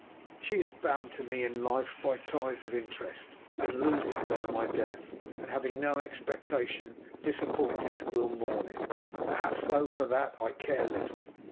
She is bound to me in life by ties of interest, and losing by my death, and having no expectation disappointed, will mourn it, perhaps; though for that I care little.